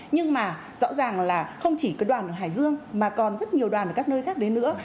nhưng mà rõ ràng là không chỉ có đoàn ở hải dương mà còn rất nhiều đoàn ở các nơi khác đến nữa